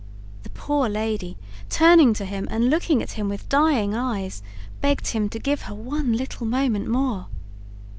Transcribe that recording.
The poor lady, turning to him and looking at him with dying eyes, begged him to give her one little moment more.